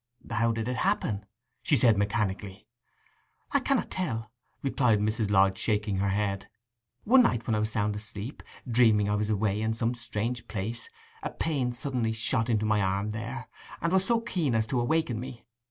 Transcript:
'How did it happen?' she said mechanically. 'I cannot tell,' replied Mrs. Lodge, shaking her head. 'One night when I was sound asleep, dreaming I was away in some strange place, a pain suddenly shot into my arm there, and was so keen as to awaken me.